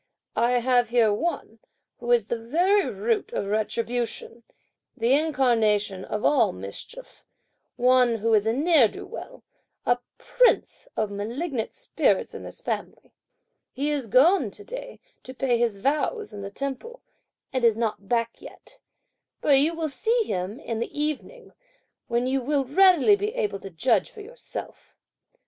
I have here one, who is the very root of retribution, the incarnation of all mischief, one who is a ne'er do well, a prince of malignant spirits in this family. He is gone to day to pay his vows in the temple, and is not back yet, but you will see him in the evening, when you will readily be able to judge for yourself.